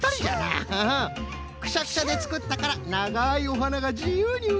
くしゃくしゃでつくったからながいおはながじゆうにうごく！